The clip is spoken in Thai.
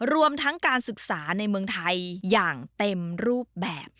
รวมทั้งการศึกษาในเมืองไทยอย่างเต็มรูปแบบ